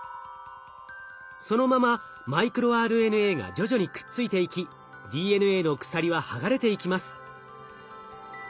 そのままマイクロＲＮＡが徐々にくっついていきＤＮＡの鎖は剥がれていきます。